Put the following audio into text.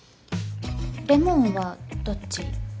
レモンはどっち？